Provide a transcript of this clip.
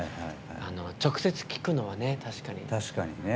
直接、聞くのは確かに。